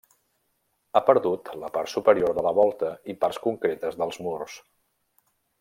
Ha perdut la part superior de la volta i parts concretes dels murs.